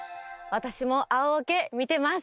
私も「青オケ」見てます！